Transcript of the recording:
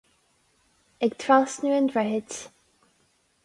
Ag trasnú an droichid.